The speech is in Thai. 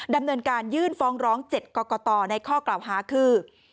ดำเนินการยื่นฟ้องร้อง๗กรกตในข้อกล่าวหาคือ